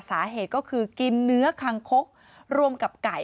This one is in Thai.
สาเหตุก็คือกินเนื้อคังคกรวมกับไก่